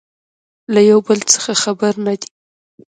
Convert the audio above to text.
له يو بل څخه خبر نه دي